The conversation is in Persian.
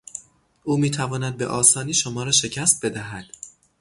او میتواند به آسانی شما را شکست بدهد.